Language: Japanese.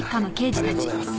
ありがとうございます。